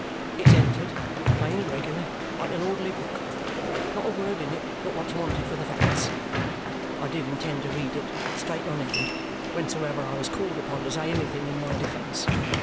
It's entered, plain and regular, like an orderly book; not a word in it but what's wanted for the facts. I did intend to read it, straight on end, whensoever I was called upon to say anything in my defence.